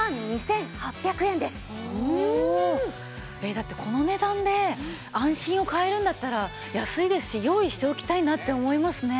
だってこの値段で安心を買えるんだったら安いですし用意しておきたいなって思いますね。